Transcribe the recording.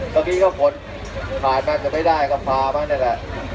เมื่อกี้เขาผลผ่านมาจะไม่ได้ก็ผ่ามานี่แหละ